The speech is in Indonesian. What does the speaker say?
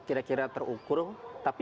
kira kira terukur tapi